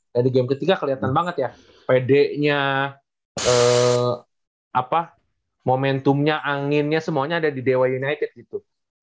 nah di game ketiga keliatan banget ya pd nya momentumnya anginnya semuanya ada di dow united gitu